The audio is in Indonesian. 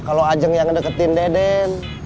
kalau ajeng yang ngedeketin deden itu cantik